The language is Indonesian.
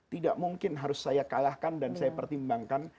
tidak mungkin harus saya kalahkan dan saya pertimbangkan